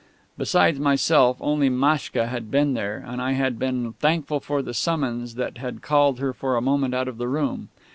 Besides myself, only Maschka had been there; and I had been thankful for the summons that had called her for a moment out of the room.